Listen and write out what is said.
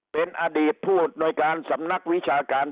เป็นอดีตพูดโดยการสำนักวิชาการ